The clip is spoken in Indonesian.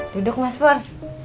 duduk mas put